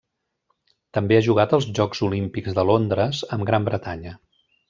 També ha jugat els Jocs Olímpics de Londres amb Gran Bretanya.